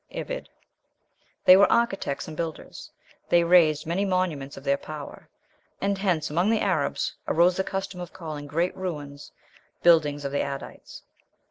(Ibid.) They were architects and builders. They raised many monuments of their power; and hence, among the Arabs, arose the custom of calling great ruins "buildings of the Adites."